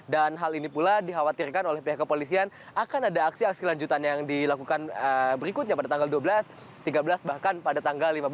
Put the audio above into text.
dan hal ini pula dikhawatirkan oleh pihak kepolisian akan ada aksi aksi lanjutan yang dilakukan berikutnya pada tanggal dua belas tiga belas bahkan pada tanggal lima belas